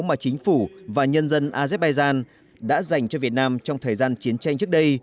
mà chính phủ và nhân dân azerbaijan đã dành cho việt nam trong thời gian chiến tranh trước đây